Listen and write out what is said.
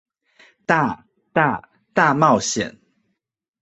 大、大、大冒險